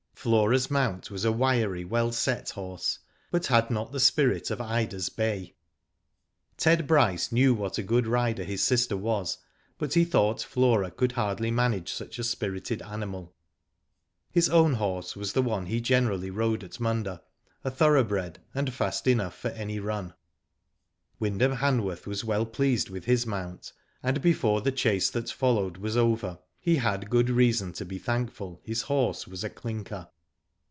Flora's mount was a wiry well set horse, but had not the spirit of Ida's bay. Ted Bryce knew what a good rider his sister was, but he thought Flora could hardly manage such a spirited animal. His own horse was the one he generally rode at Munda, a thoroughbred, and fast enough for any run. Digitized byGoogk I02 WHO DID ITf Wyndham Han worth was well pleased with his mount, and before the chase that followed was over he had good reason to be thankful his horse was a clinker.